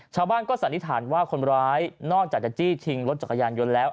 ชาวบ้านก็สันนิษฐานว่าคนร้ายนอกจากจะจี้ชิงรถจักรยานยนต์แล้ว